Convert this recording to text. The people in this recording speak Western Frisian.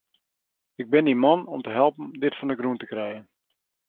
Ik bin dyn man om te helpen dit fan 'e grûn te krijen.